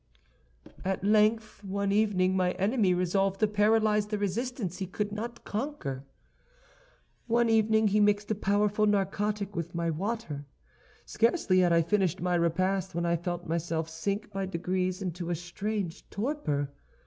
"At length, one evening my enemy resolved to paralyze the resistance he could not conquer. One evening he mixed a powerful narcotic with my water. Scarcely had I finished my repast, when I felt myself sink by degrees into a strange torpor.